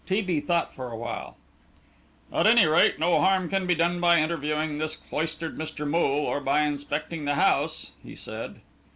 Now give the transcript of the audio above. T. B. thought for a while. "At any rate no harm can be done by interviewing this cloistered Mr. Moole, or by inspecting the house," he said.